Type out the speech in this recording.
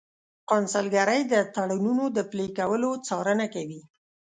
قونسلګرۍ د تړونونو د پلي کولو څارنه کوي